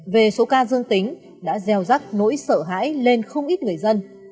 về số ca dương tính đã gieo rắc nỗi sợ hãi lên không ít người dân